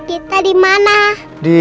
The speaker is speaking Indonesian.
aku mau makan lagi